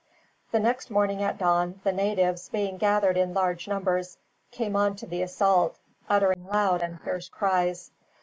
The next morning at dawn the natives, being gathered in large numbers, came on to the assault, uttering loud and fierce cries.